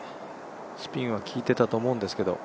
スピンは効いてたと思うんですけど。